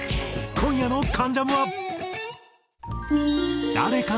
今夜の『関ジャム』は。